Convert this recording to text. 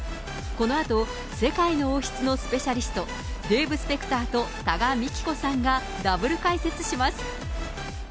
このあと、世界の王室のスペシャリスト、デーブ・スペクターと多賀幹子さんがダブル解説します。